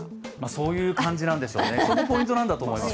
そういう感じなんでしょうね、そこもポイントなんだと思います。